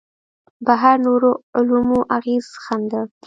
پر نورو علومو اغېز ښنده.